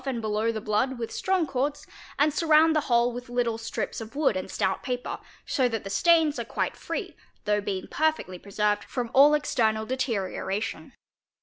and below the blood with strong cords and surround the whole with little strips of wood and stout ~ paper, so that the stains are quite free, though being perfectly preserved from all external deterioration.